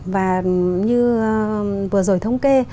và như vừa rồi thông kê